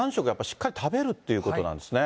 しっかり食べるっていうことなんですね。